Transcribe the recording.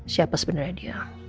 siapa sebenarnya dia